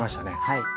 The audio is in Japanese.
はい。